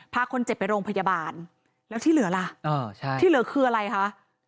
พาคนเจ็บไปโรงพยาบาลแล้วที่เหลือล่ะที่เหลือคืออะไรคะ